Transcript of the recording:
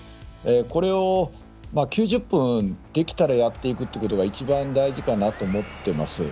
これを９０分できたらやっていくというのが一番大事かなと思っています。